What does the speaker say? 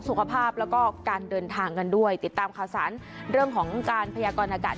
สุขภาพแล้วก็การเดินทางกันด้วยติดตามข่าวสารเรื่องของการพยากรอากาศ